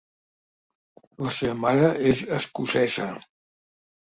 La seva mare és escocesa.